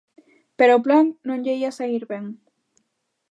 Pero o plan non lle ía saír ben.